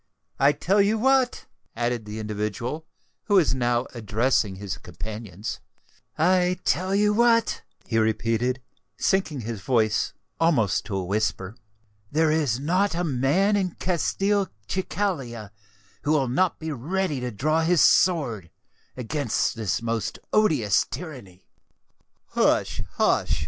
I tell you what," added the individual who was now addressing his companions,—"I tell you what," he repeated, sinking his voice almost to a whisper, "there is not a man in Castelcicala who will not be ready to draw his sword against this most odious tyranny." "Hush! hush!"